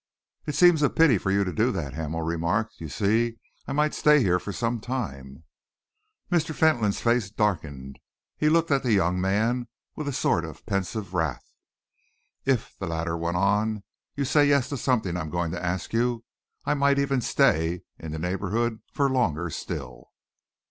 "It seems a pity for you to do that," Hamel remarked. "You see, I might stay here for some time." Mr. Fentolin's face darkened. He looked at the young man with a sort of pensive wrath. "If," the latter went on, "you say 'yes' to something I am going to ask you, I might even stay in the neighbourhood for longer still."